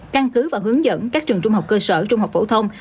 căn cứ và hướng dẫn các trường trung học cơ sở trung học phổ thông